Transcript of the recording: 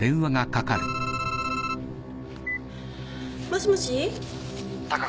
もしもし？